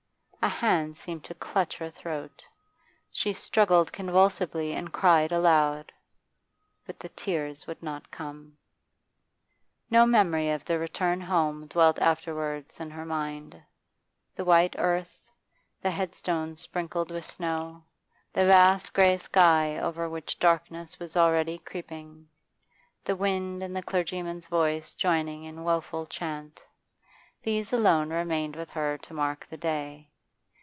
A hand seemed to clutch her throat, she struggled convulsively and cried aloud. But the tears would not come. No memory of the return home dwelt afterwards in her mind. The white earth, the headstones sprinkled with snow, the vast grey sky over which darkness was already creeping, the wind and the clergyman's voice joining in woful chant, these alone remained with her to mark the day.